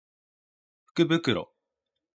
福袋